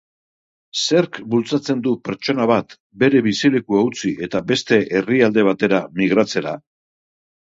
Zerk bultzatzen du pertsona bat bere bizilekua utzi eta beste herrialde batera migratzera?